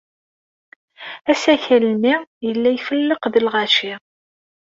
Asakal-nni yella ifelleq d lɣaci.